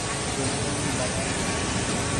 ژولن نے ملن